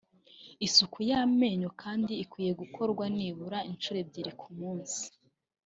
Isuku y’amenyo kandi ikwiye gukorwa nibura inshuro ebyiri ku munsi